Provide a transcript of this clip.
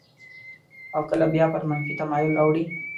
او کله بیا پر منفي تمایل اوړي.